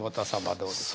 どうですか？